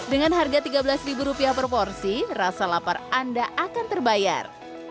dengan harga tiga belas per porsi rasa lapar anda akan terbayar